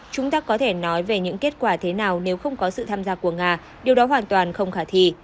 chúng ta có thể nói về những kết quả thế nào nếu không có sự tham gia của nga điều đó hoàn toàn không khả thi